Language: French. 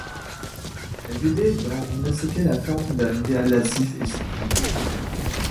Elle vivait dans on ne sait quelle attente d’un idéal lascif et suprême.